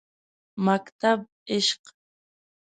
مکتبِ عشق